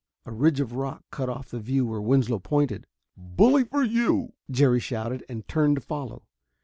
A ridge of rock cut off the view where Winslow pointed. "Bully for you!" Jerry shouted and turned to follow.